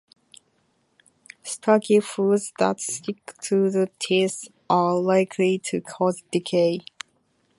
Starchy foods that stick to the teeth are likely to cause decay.